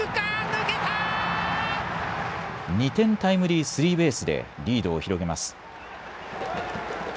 ２点タイムリースリーベースでリードを広げます。